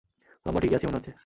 লম্বা ঠিকই আছি মনে হচ্ছে।